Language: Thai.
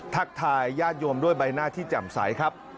ทักทายญาติโยมด้วยใบหน้าที่แจ่มใสครับ